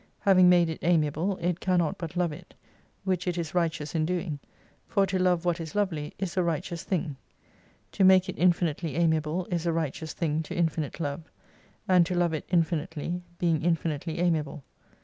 Having made it amiable, it cannot but love it, which it is righteous in doing, for to love what is lovely is a righteous thing. To make it infi nitely amiable is a righteous thing to infinite Love : and to love it infinitely, being infinitely amiable.